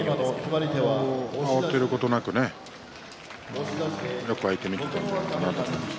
慌てることなくよく相手を見ていたんじゃないかと思います。